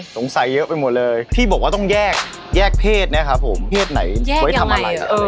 เยอะไปหมดเลยพี่บอกว่าต้องแยกแยกเพศนะครับผมเพศไหนไว้ทำอะไร